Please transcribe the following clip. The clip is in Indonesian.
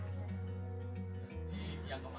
jit menjadi pemerintah dari bni dan bni bni